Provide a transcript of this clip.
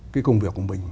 cái công việc của mình